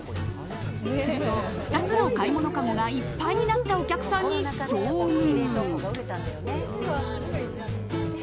すると、２つの買い物かごがいっぱいになったお客さんに遭遇。